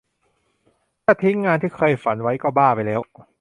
ถ้าทิ้งงานที่เคยฝันไว้ก็บ้าไปแล้ว